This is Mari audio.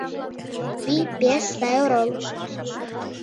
Пий — пеш сай орол...